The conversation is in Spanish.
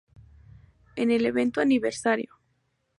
En el evento Aniversario!